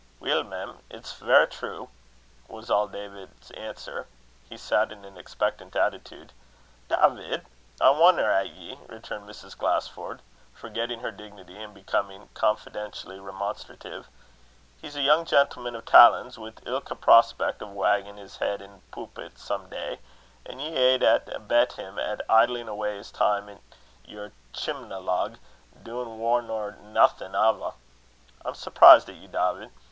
"Weel, mem, it's verra true," was all David's answer. He sat in an expectant attitude. "Dawvid, I wonner at ye!" returned Mrs. Glasford, forgetting her dignity, and becoming confidentially remonstrative. "Here's a young gentleman o' talans, wi' ilka prospeck o' waggin' his heid in a poopit some day; an' ye aid an' abet him in idlin' awa' his time at your chimla lug, duin' waur nor naething ava! I'm surprised at ye, Dawvid.